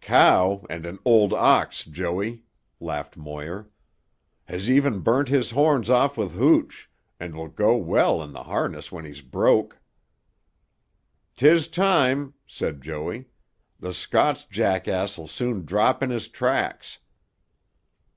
"Cow—and an old ox, Joey," laughed Moir. "Has even burnt his horns off with hooch, and wilt go well in the harness when he's broke." "'Tis time," said Joey. "Tuh Scots jackass'll soon drop in his tracks."